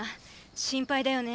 心配だよね。